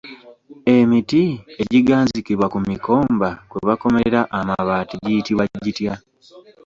Emiti egiganzikibwa ku mikomba kwe bakomerera amabaati giyitibwa gitya?